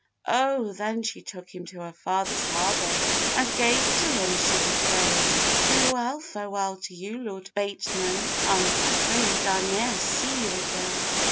O! then she took him to her father's harbour, And gave to him a ship of fame; 'Farewell, farewell to you, Lord Bateman, I'm afraid I ne'er shall see you again.